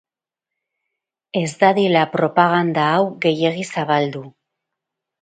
Ez dadila propaganda hau gehiegi zabaldu.